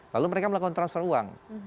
lalu mereka melakukan transfer uang